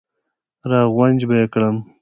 را غونج به یې کړم.